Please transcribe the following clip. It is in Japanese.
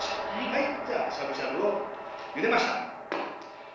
はいじゃあしゃぶしゃぶをゆでました。